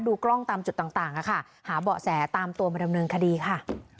กล้องตามจุดต่างค่ะหาเบาะแสตามตัวมาดำเนินคดีค่ะ